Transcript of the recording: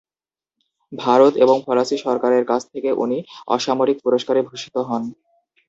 ভারত এবং ফরাসি সরকারের কাছ থেকে উনি অসামরিক পুরষ্কারে ভূষিত হন।